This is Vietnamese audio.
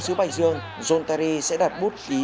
sứ bạch dương zolteri sẽ đặt bút ký